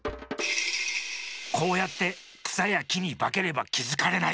こうやってくさやきにばければきづかれない。